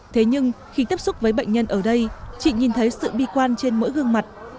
thế nhưng khi tiếp xúc với bệnh nhân ở đây chị nhìn thấy sự bi quan trên mỗi gương mặt